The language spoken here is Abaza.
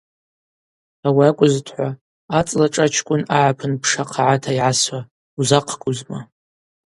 Ауи акӏвызтӏхӏва, ацӏла шӏа чкӏвын агӏапын пша хъагӏа йгӏасуа узахъгузма.